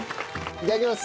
いただきます。